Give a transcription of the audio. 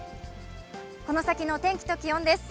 この先の天気と気温です。